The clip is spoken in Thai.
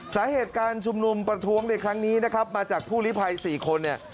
สาเหตุการชุมนุมประท้วงในครั้งนี้นะครับมาจากผู้ลิภัย๔คนเนี่ย